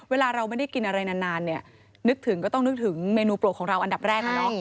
เวลาเราไม่ได้กินอะไรนานเนี่ยนึกถึงก็ต้องนึกถึงเมนูโปรดของเราอันดับแรก